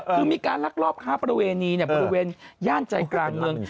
คือมีการลักลอบค้าประเวณีบริเวณย่านใจกลางเมือง